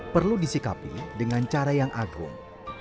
perlu disikapi dengan cara yang agung